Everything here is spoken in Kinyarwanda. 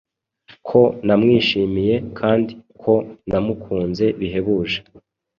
ko namwishimiye kand ko namukunze bihebuje.